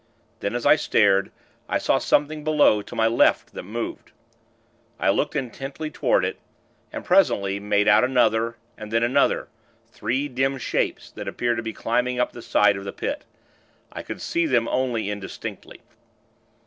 Then, as I stared, I saw something below, to my left, that moved. I looked intently toward it, and, presently, made out another, and then another three dim shapes that appeared to be climbing up the side of the Pit. I could see them only indistinctly.